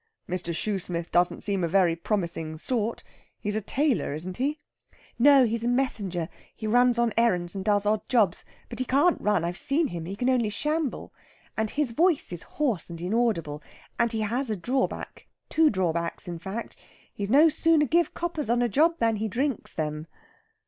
"Mr. Shoosmith doesn't seem a very promising sort? He's a tailor, isn't he?" "No; he's a messenger. He runs on errands and does odd jobs. But he can't run I've seen him! he can only shamble. And his voice is hoarse and inaudible. And he has a drawback two drawbacks, in fact. He is no sooner giv' coppers on a job than he drinks them."